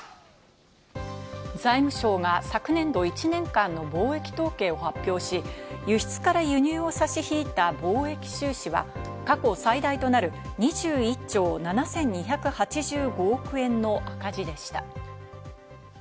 財務省が昨年度１年間の貿易統計を発表し、輸出から輸入を差し引いた貿易収支は過去最大となる、２１兆７２８５億円の赤字でした。